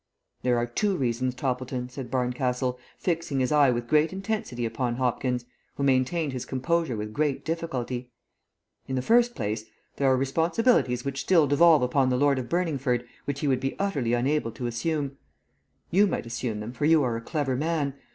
"There are two reasons, Toppleton," said Barncastle, fixing his eye with great intensity upon Hopkins, who maintained his composure with great difficulty. "In the first place, there are responsibilities which still devolve upon the Lord of Burningford which he would be utterly unable to assume. You might assume them, for you are a clever man.